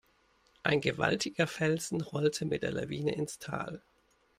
Ein gewaltiger Felsen rollte mit der Lawine ins Tal.